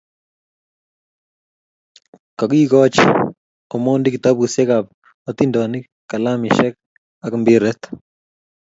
Kagigooch Omondi kitabushek kab hatindonik, kalamushek ago mpiret